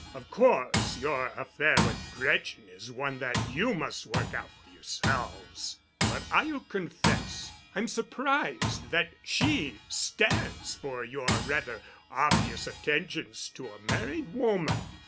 Of course, your affair with Gretchen is one that you must work out for yourselves, but I'll confess I'm surprised that she stands for your rather obvious attentions to a married woman."